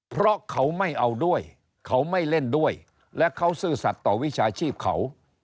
เพราะเขาไม่เอาด้วยเขาไม่เล่นด้วยและเขาซื่อสัตว์ต่อวิชาชีพเขา